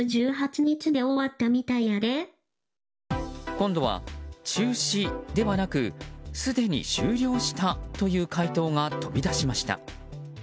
今度は中止ではなくすでに終了したという回答が飛び出しました。